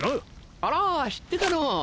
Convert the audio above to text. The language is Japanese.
あら知ってたの？